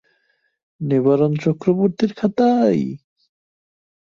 নিবারণ চক্রবর্তীর খাতায়?